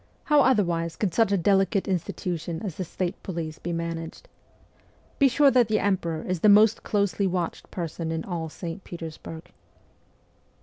How otherwise could such a delicate institution as the state police be managed ? Be sure that the emperor is the most closely watched person in all St. Petersburg.'